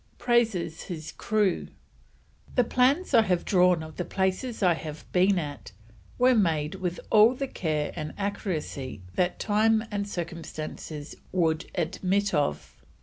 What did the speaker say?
PRAISES HIS CREW. "The plans I have drawn of the places I have been at, were made with all the care and accuracy that Time and Circumstances would admit of.